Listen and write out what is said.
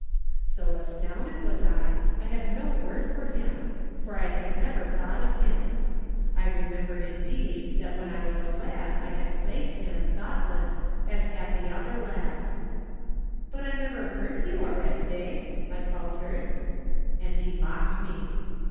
So astoimded was I, I had no word for him, for I had never thought of him. I re membered, indeed, that when I was a lad I had plagued him, thoughtless, as had the other lads. "But I never hurt you, Oreste," I fal tered. And he mocked me.